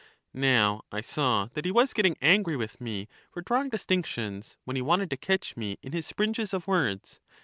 Now I saw that he was getting angry with me for drawing distinctions, when he wanted to catch me in his springes of words.